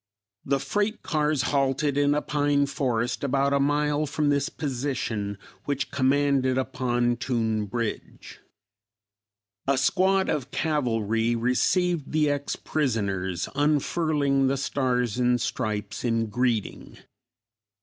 The freight cars halted in a pine forest about a mile from this position, which commanded a pontoon bridge. A squad of cavalry received the ex prisoners, unfurling the Stars and Stripes in greeting.